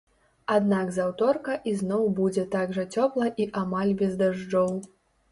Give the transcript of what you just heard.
Аднак з аўторка ізноў будзе так жа цёпла і амаль без дажджоў.